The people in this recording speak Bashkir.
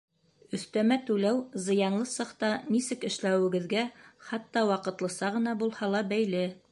Өҫтәмә түләү «зыянлы» цехта нисек эшләүегеҙгә, хатта ваҡытлыса ғына булһа ла, бәйле.